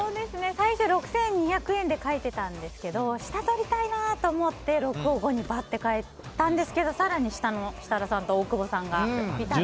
最初６２００円で書いてたんですけど下取りたいなと思って６を５に変えたんですけど更に下の設楽さんと大久保さんがいたので。